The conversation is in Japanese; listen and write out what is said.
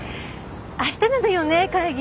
明日なのよね会議は。